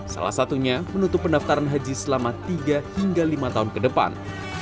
salah satunya menutup pendaftaran haji selama tiga hingga lima tahun ke depan